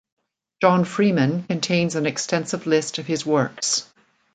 John Freeman contains an extensive list of his works.